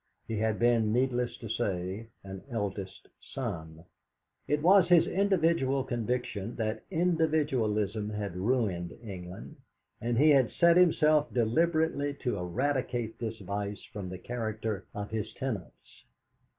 He had been, needless to say, an eldest son. It was his individual conviction that individualism had ruined England, and he had set himself deliberately to eradicate this vice from the character of his tenants.